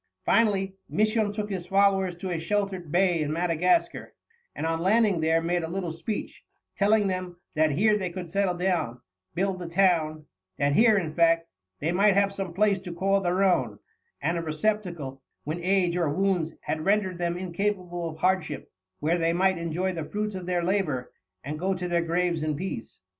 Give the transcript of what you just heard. Finally, Misson took his followers to a sheltered bay in Madagascar, and on landing there made a little speech, telling them that here they could settle down, build a town, that here, in fact, "they might have some Place to call their own; and a Receptacle, when Age or Wounds had render'd them incapable of Hardship, where they might enjoy the Fruits of their Labour, and go to their Graves in Peace."